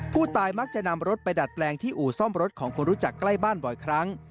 ผู้ตายมักจะนำรถไปดัดแปลงที่อู่ซ่อมรถของคนรู้จักใกล้บ้านบ่อยครั้ง